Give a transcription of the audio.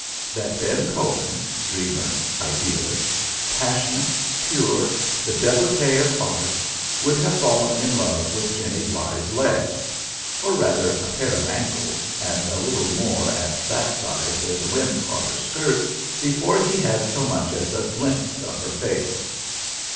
that Ben Cohen, dreamer, idealist, passionate, pure, the devotee of art, would have fallen in love with Jenny Bligh's legs or, rather, a pair of ankles, and a little more at that side where the wind caught her skirt before he had so much as a glimpse of her face?